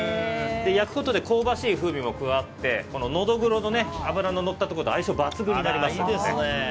焼くことで香ばしい風味も加わってノドグロの脂ののったところと相性抜群になりますのでね。